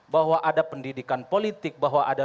bahwa ada pendidikan politik bahwa ada